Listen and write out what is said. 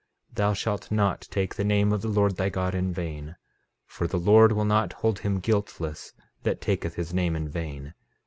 13:15 Thou shalt not take the name of the Lord thy God in vain; for the Lord will not hold him guiltless that taketh his name in vain.